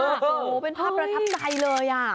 โอ้โหเป็นภาพประทับใจเลย